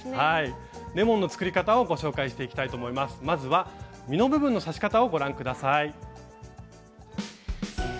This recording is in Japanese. まずは実の部分の刺し方をご覧下さい。